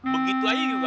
begitu aja juga